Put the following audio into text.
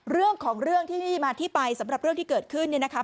เรื่องของเรื่องที่มาที่ไปสำหรับเรื่องที่เกิดขึ้นเนี่ยนะคะ